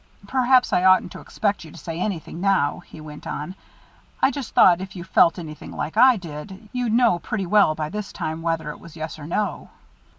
"Perhaps I oughtn't to expect you to say anything now," he went on. "I just thought if you felt anything like I did, you'd know pretty well, by this time, whether it was yes or no."